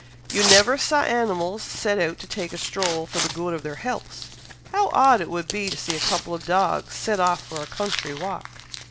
You never saw animals set out to take a stroll for the good of their healths! How odd it would be to see a couple of dogs set off for a country walk!"